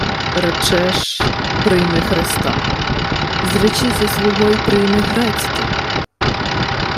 — Речеш, прийми Христа. Зречися свого й прийми грецьке.